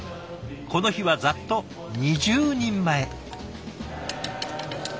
この日はざっと２０人前。